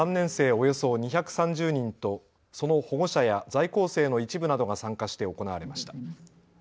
およそ２３０人とその保護者や在校生の一部などが参加して行われました。